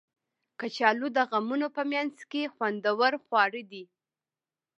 کچالو د غمونو په منځ کې خوندور خواړه دي